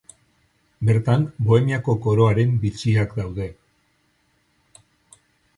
Bertan, Bohemiako Koroaren Bitxiak daude.